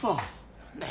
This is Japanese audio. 何だよ